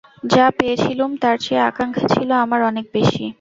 যা পেয়েছিলুম তার চেয়ে আকাঙক্ষা ছিল আমার অনেক বেশি?